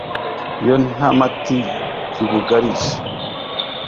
Iyo ntamati ibugarije